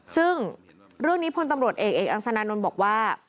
ซึ่งเรื่องนี้พลตำรวจเอกเอกอังสนานนท์บอกว่า